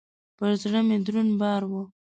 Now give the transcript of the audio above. پر زړه مي دروند بار و .